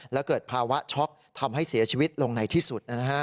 และเกิดภาวะช็อกทำให้เสียชีวิตลงในที่สุด